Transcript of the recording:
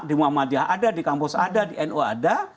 di muhammadiyah ada di kampus ada di nu ada